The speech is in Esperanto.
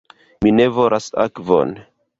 Mi ne volas akvon.